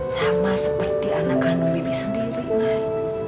sama seperti anak kandung bibi sendiri mai